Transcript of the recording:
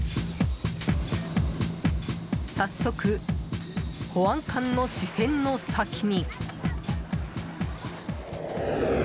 早速、保安官の視線の先に。